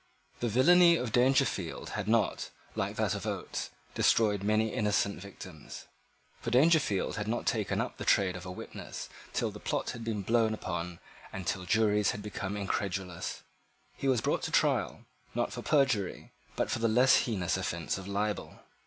The villany of Dangerfield had not, like that of Oates, destroyed many innocent victims; for Dangerfield had not taken up the trade of a witness till the plot had been blown upon and till juries had become incredulous. He was brought to trial, not for perjury, but for the less heinous offense of libel.